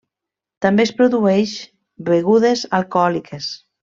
També es produeix begudes alcohòliques.